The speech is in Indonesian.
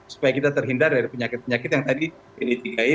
supaya kita terhindar dari penyakit penyakit yang tadi bd tiga i